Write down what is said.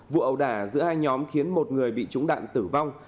vụ ẩu đả giữa hai nhóm khiến một người bị trúng đạn tử vong